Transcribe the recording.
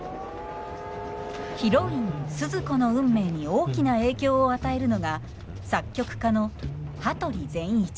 ヒロインスズ子の運命に大きな影響を与えるのが作曲家の羽鳥善一。